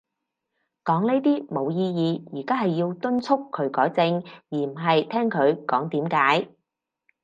講呢啲冇意義。而家係要敦促佢改正，而唔係聽佢講點解